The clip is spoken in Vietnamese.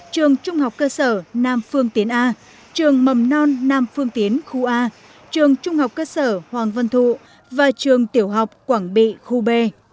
trường trung học cơ sở nam phương tiến a trường mầm non nam phương tiến khu a trường trung học cơ sở hoàng văn thụ và trường tiểu học quảng bị khu b